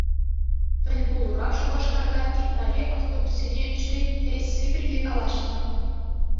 Тӗлпулура Шупашкарта Китайри автобуссене ҫӳреттересси пирки калаҫнӑ.